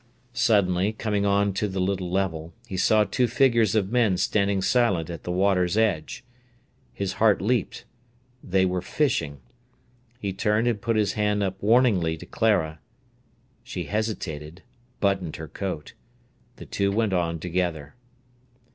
Suddenly, coming on to the little level, he saw two figures of men standing silent at the water's edge. His heart leaped. They were fishing. He turned and put his hand up warningly to Clara. She hesitated, buttoned her coat. The two went on together.